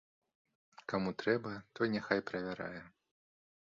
Каму трэба, той няхай правярае.